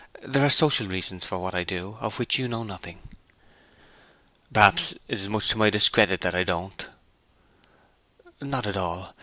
'There are social reasons for what I do of which you know nothing.' 'Perhaps it is much to my discredit that I don't know.' 'Not at all.